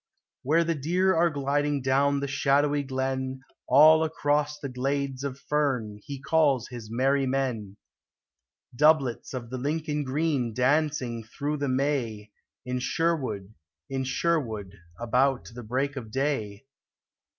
Where the deer are gliding down the shadowy glen All across the glades of fern he calls his merry men ; Doublets of the Lincoln green glancing thro' the May In Sherwood, in Sherwood, about the break of day ; MYTHICAL:, LEGENDARY.